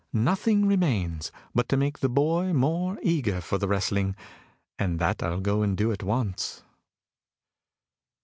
Nothing remains but to make the boy more eager for the wrestling, and that I'll go and do at once."